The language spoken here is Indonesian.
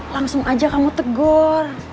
langsung aja kamu tegor